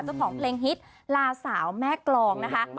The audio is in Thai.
เจ้าของเพลงฮิตลาสาวแม่กรองนะคะ